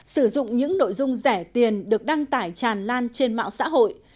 sử dụng những nội dung rẻ tiền được đăng tải tràn lan trên mạng xã hội